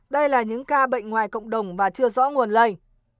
đây là những ca bệnh ngoài cộng đồng và chưa rõ nguồn lây